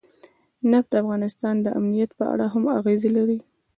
نفت د افغانستان د امنیت په اړه هم اغېز لري.